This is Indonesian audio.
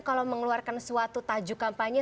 kalau mengeluarkan suatu tajuk kampanye